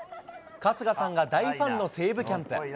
春日さんが大ファンの西武キャンプ。